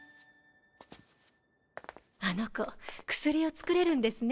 あの子薬を作れるんですね。